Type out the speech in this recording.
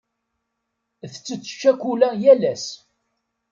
Tettet ccakula yal ass.